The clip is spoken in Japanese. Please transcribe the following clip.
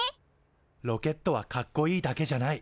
ロケットはかっこいいだけじゃない。